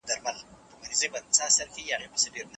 د خولې او پوزې پټول د ناروغۍ د خپریدو مخه نیسي.